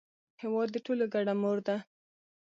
هېواد د ټولو ګډه مور ده.